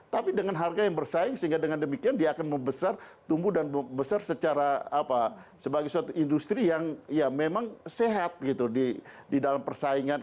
tapi dengan harga yang bersaing sehingga dengan demikian dia akan membesar tumbuh dan membesar secara apa sebagai suatu industri yang ya memang sehat gitu di dalam persaingan